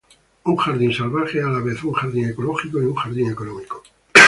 Un jardín salvaje es a la vez un jardín ecológico y un jardín económico.